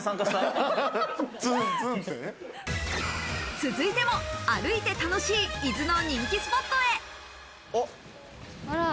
続いても歩いて楽しい伊豆の人気スポットへ。